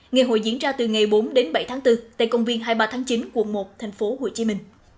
ngày hội diễn ra từ ngày bốn đến bảy tháng bốn tại công viên hai mươi ba tháng chín quận một tp hcm